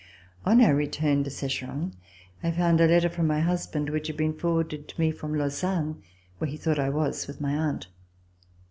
On our return to Secheron, I found a letter from my husband which had been forwarded to me from Lausanne, where he thought I was with my aunt.